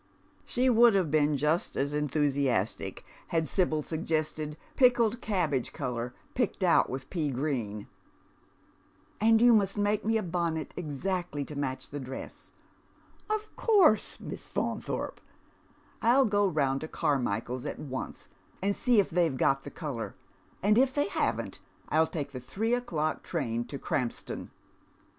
" She would have been just as enthusiastic had Sibyl suggested pickled cabbage colour, picked out with pea gi een. "And you must make me a bonnet exactly to match the dress." "Of course, Miss Faunthorpe. I'll go round to Carmichael's at once, and see if they've got the colour ; and if they haven't I'll take the three o'clock train to lirampston."